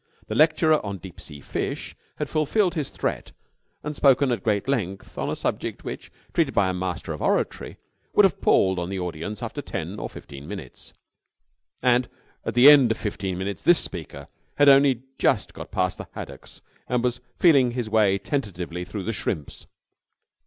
The lecturer on deep sea fish had fulfilled his threat and spoken at great length on a subject which, treated by a master of oratory, would have palled on the audience after ten or fifteen minutes; and at the end of fifteen minutes this speaker had only just got past the haddocks and was feeling his way tentatively through the shrimps.